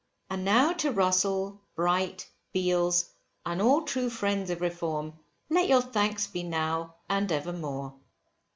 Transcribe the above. And now to Russell, Bright, Beales, and all true friends of Reform, let your thanks be now and evermore.